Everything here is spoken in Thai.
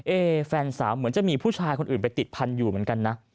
แฟนสาวเหมือนจะมีผู้ชายคนอื่นไปติดพันธุ์อยู่เหมือนกันนะ